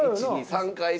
３回目。